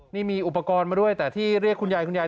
นี่มีอุปกรณ์มาด้วยแต่ที่เรียกคุณยายคุณยาย